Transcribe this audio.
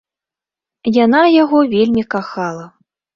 Яна яго вельмі кахала.